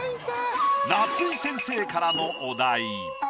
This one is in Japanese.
夏井先生からのお題。